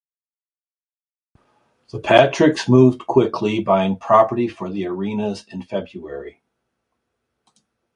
The Patricks moved quickly, buying property for the arenas in February.